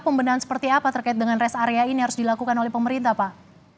pembenahan seperti apa terkait dengan rest area ini harus dilakukan oleh pemerintah pak